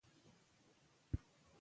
خپله ژبه پخپله سمه زدکړئ.